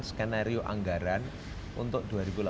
skenario anggaran untuk